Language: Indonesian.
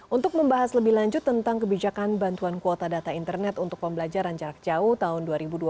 untuk membahas lebih lanjut tentang kebijakan bantuan kuota data internet untuk pembelajaran